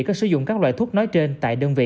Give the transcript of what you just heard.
có sử dụng các loại thuốc nói trên tại đơn vị